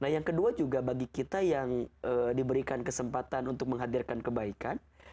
nah yang kedua juga bagi kita yang diberikan kesempatan untuk menghadirkan kebaikan